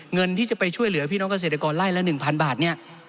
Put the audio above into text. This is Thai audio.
เงินที่จะไปช่วยเหลือพี่น้องเกษตรกรไล่ละ๑๐๐บาทเนี่ย